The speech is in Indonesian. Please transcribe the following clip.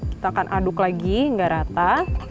kita akan aduk lagi tidak rata